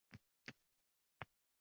Yoqimli musiqa taraladi